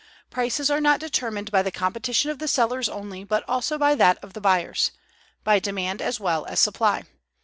Prices are not determined by the competition of the sellers only, but also by that of the buyers; by demand as well as supply.